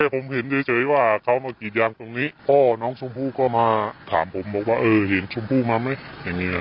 ผมเห็นเฉยว่าเขามากรีดยางตรงนี้พ่อน้องชมพู่ก็มาถามผมบอกว่าเออเห็นชมพู่มาไหมอย่างนี้